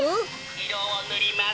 いろをぬります。